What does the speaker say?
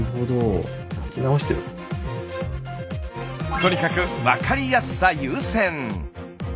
とにかくわかりやすさ優先。